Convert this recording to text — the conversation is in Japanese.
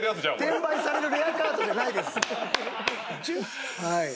転売されるレアカードじゃないです。